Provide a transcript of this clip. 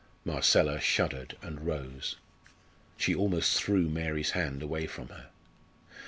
Marcella shuddered and rose. She almost threw Mary's hand away from her.